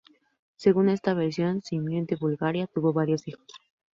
Según esta versión, Simeón I de Bulgaria tuvo varios hijos.